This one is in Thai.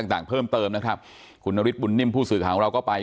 ต่างต่างเพิ่มเติมนะครับคุณนฤทธบุญนิ่มผู้สื่อข่าวของเราก็ไป